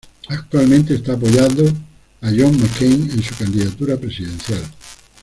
Actualmente está apoyando a John McCain en su candidatura presidencial.